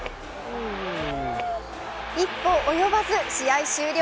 一歩及ばず、試合終了。